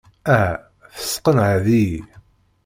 Aha, tesqenɛeḍ-iyi.